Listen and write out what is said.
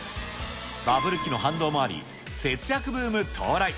バブル期の反動もあり、節約ブーム到来。